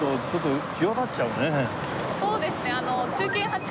そうですね。